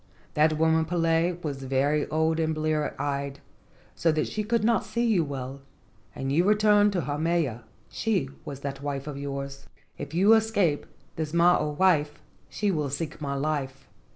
That woman Pele was very old and blear eyed, so that she could not see you well, and you returned to Haumea. She was that wife of yours. If you escape this mo o wife she will seek my life.